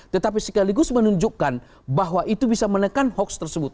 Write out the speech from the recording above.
tetapi sekaligus menunjukkan bahwa itu bisa menekan hoax tersebut